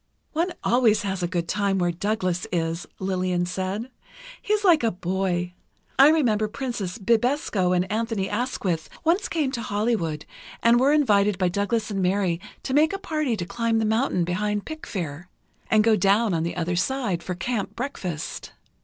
"One always has a good time where Douglas is," Lillian said. "He is like a boy. I remember Princess Bibesco and Anthony Asquith once came to Hollywood and were invited by Douglas and Mary to make a party to climb the mountain behind Pickfair, and go down on the other side, for camp breakfast.